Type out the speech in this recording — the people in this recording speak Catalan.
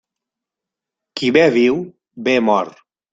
Qui bé viu, bé mor.